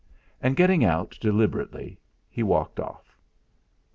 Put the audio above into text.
And, getting out deliberately, he walked off.